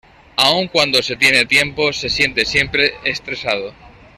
Aun cuando se tiene tiempo, se siente siempre estresado.